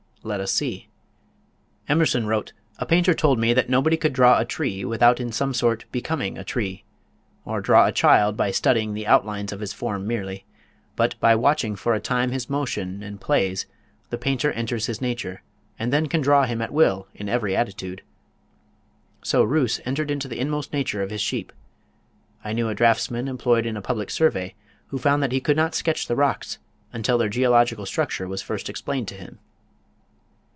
Let us see. Emerson wrote: "A painter told me that nobody could draw a tree without in some sort becoming a tree; or draw a child by studying the outlines of his form merely, but, by watching for a time his motion and plays, the painter enters his nature, and then can draw him at will in every attitude. So Roos 'entered into the inmost nature of his sheep.' I knew a draughtsman employed in a public survey, who found that he could not sketch the rocks until their geological structure was first explained to him."